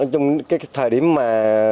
trong cái thời điểm mà